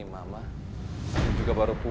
bisa siap apa kita r deportasi nih